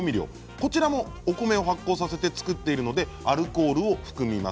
こちらもお米を発酵させて造っているのでアルコールを含みます。